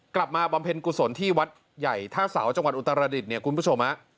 กลับมาบำเพ็ญกุศลที่วัดยัยท่าเสาจังหวัดอุตรรฤดเนี่ยคุณผู้ชม